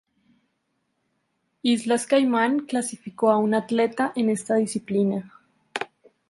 Islas Caimán clasificó a un atleta en esta disciplina.